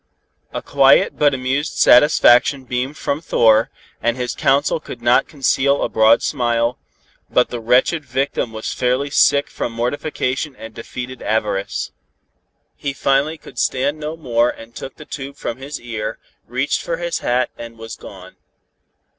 A quiet but amused satisfaction beamed from Thor, and his counsel could not conceal a broad smile, but the wretched victim was fairly sick from mortification and defeated avarice. He finally could stand no more and took the tube from his ear, reached for his hat and was gone.